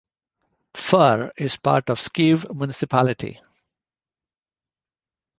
Fur is part of Skive municipality.